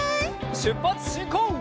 しゅっぱつしんこう！